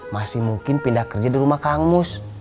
masih mungkin pindah kerja di rumah kang mus